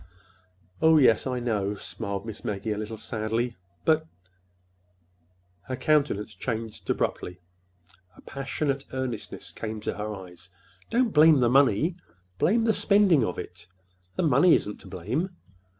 "Oh, yes, I know," smiled Miss Maggie, a little sadly. "But—" Her countenance changed abruptly. A passionate earnestness came to her eyes. "Don't blame the money—blame the spending of it! The money isn't to blame.